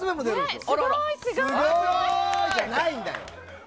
すごいじゃないんだよ！